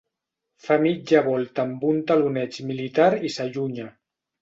Fa mitja volta amb un taloneig militar i s'allunya.